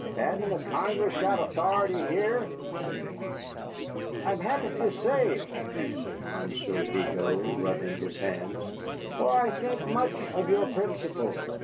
"Hain't the Congress got authority here?" said one. "I am happy to say," answered Monsieur Vigo, rubbing his hands, "for I think much of your principle."